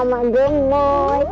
kangen sama dia mo